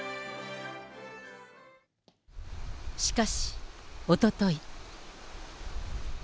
しかし、おととい。